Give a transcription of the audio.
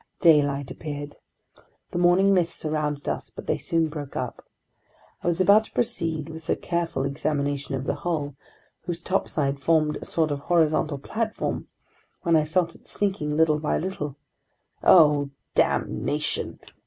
Daylight appeared. The morning mists surrounded us, but they soon broke up. I was about to proceed with a careful examination of the hull, whose topside formed a sort of horizontal platform, when I felt it sinking little by little. "Oh, damnation!"